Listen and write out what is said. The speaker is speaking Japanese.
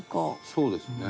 そうですね。